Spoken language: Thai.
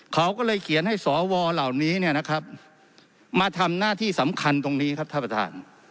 เขาก็เลยเขียนให้สวเหล่านี้เนี่ยนะครับมาทำหน้าที่สำคัญตรงนี้ครับท่านประธาน